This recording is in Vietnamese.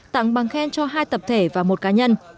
tặng bằng khen cho hai tập thể và một cá nhân